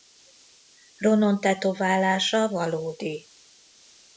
Ronon tetoválása valódi.